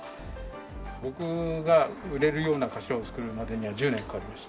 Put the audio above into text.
僕が売れるような頭を作るまでには１０年かかりました。